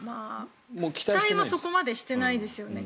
期待はそこまでしてないですよね。